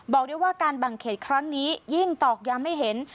บอกได้ว่าการแบ่งเขตครั้งนี้ยิ่งตอกย้ำให้เห็น